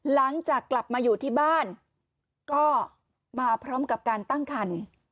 หลังจากกลับมาอยู่ที่บ้านก็มาพร้อมกับการตั้งคัน